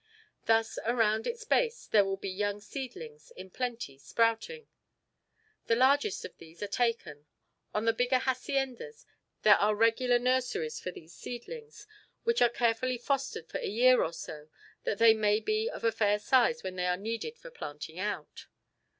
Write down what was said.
Thus around its base there will be young seedlings in plenty sprouting. The largest of these are taken. On the bigger haciendas there are regular nurseries for these seedlings, which are carefully fostered for a year or so that they may be of fair size when they are needed for planting out.